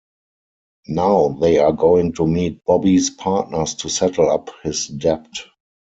Now they are going to meet Bobby's partners to settle up his debt.